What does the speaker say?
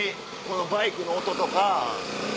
このバイクの音とか。